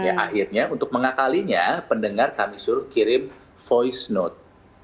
ya akhirnya untuk mengakalinya pendengar kami suruh kirim voice note